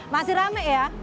masih rame ya